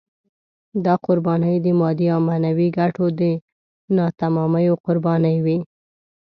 دا قربانۍ د مادي او معنوي ګټو د ناتمامیو قربانۍ وې.